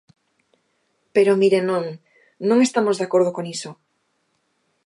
Pero, mire, non, non estamos de acordo con iso.